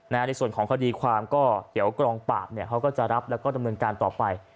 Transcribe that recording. ในส่วนของคดีความก็เดี๋ยวกองปราบเขาก็จะรับแล้วก็ดำเนินการต่อไป